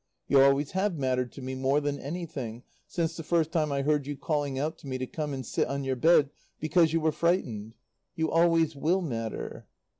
You always have mattered to me more than anything, since the first time I heard you calling out to me to come and sit on your bed because you were frightened. You always will matter.